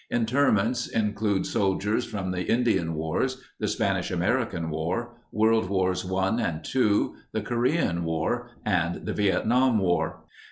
Interments in clude soldiers from the Indian Wars, the Spanish American War, World Wars I and II, the Korean War, and the Vietnam War.